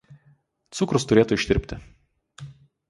Cukrus turėtų ištirpti.